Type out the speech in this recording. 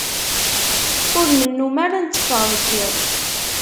Ur nennum ara netteffeɣ deg iḍ.